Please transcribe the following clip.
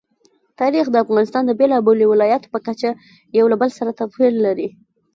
تاریخ د افغانستان د بېلابېلو ولایاتو په کچه یو له بل سره توپیر لري.